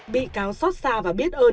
bị cáo xót xa và biết ơn